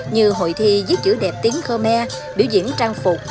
như hội thi giết chữ đẹp tiếng khmer biểu diễn trang phục